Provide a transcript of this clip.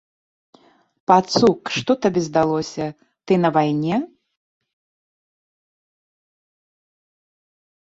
Пацук, што табе здалося, ты на вайне?